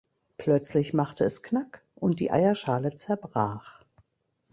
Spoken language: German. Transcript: Plötzlich machte es „knack“ und die Eierschale zerbrach.